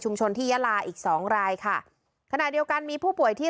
ที่ยาลาอีกสองรายค่ะขณะเดียวกันมีผู้ป่วยที่